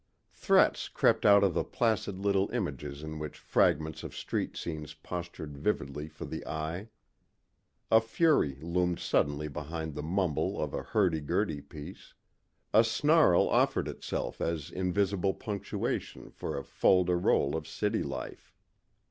Threats crept out of the placid little images in which fragments of street scenes postured vividly for the eye. A fury loomed suddenly behind the mumble of a hurdy gurdy piece; a snarl offered itself as invisible punctuation for a fol de rol of city life.